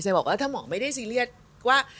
บอกว่าถ้าหมอไม่ได้ซีเรียสว่า